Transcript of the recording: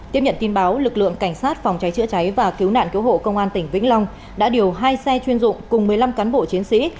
tiếp nhận tin báo lực lượng cảnh sát phòng cháy chữa cháy và cứu nạn cứu hộ công an tỉnh vĩnh long đã điều hai xe chuyên dụng cùng một mươi năm cán bộ chiến sĩ